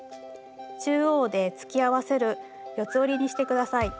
中央で突き合わせる四つ折りにして下さい。